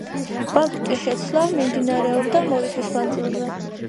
ვალუტის შეცვლა მიმდინარეობდა ორი თვის მანძილზე.